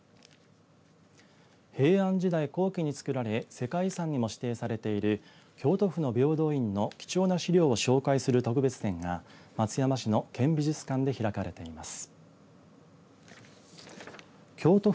平安時代後期に造られた世界遺産にも指定されている京都府の平等院の貴重な史料を紹介する特別展が松山市の県美術館で開かれています。